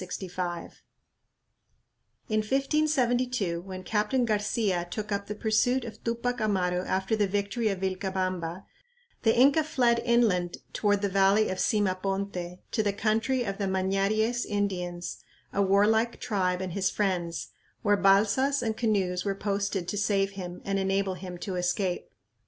In 1572, when Captain Garcia took up the pursuit of Tupac Amaru after the victory of Vilcabamba, the Inca fled "inland toward the valley of Sima ponte ... to the country of the Mañaries Indians, a warlike tribe and his friends, where balsas and canoes were posted to save him and enable him to escape."